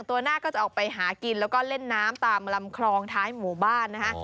ตัวหน้าก็จะออกไปหากินแล้วก็เล่นน้ำตามลำคลองท้ายหมู่บ้านนะคะ